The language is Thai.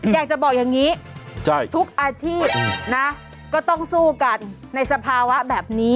อยากจะบอกอย่างนี้ทุกอาชีพนะก็ต้องสู้กันในสภาวะแบบนี้